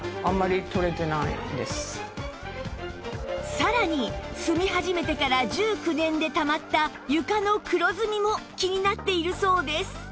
さらに住み始めてから１９年でたまった床の黒ずみも気になっているそうです